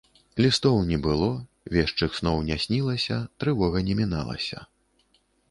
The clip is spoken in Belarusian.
Лістоў не было, вешчых сноў не снілася, трывога не міналася.